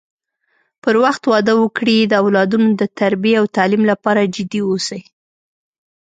پر وخت واده وکړي د اولادونو د تربی او تعليم لپاره جدي اوسی